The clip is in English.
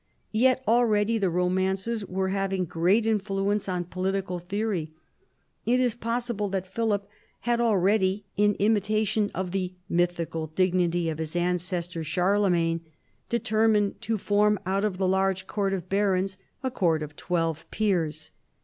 Yet already the romances were having great influence on political theory. It is possible that Philip had already, in imitation of the mythical dignity of his ancestor Charlemagne, deter mined to form out of the large court of barons a court of twelve peers.